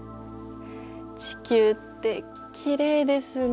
地球ってきれいですね。